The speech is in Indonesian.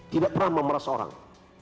tidak pernah memeras orang